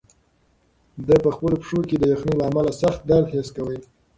ده په خپلو پښو کې د یخنۍ له امله سخت درد حس کاوه.